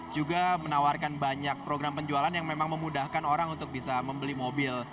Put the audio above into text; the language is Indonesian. juga menawarkan banyak program penjualan yang memang memudahkan orang untuk bisa membeli mobil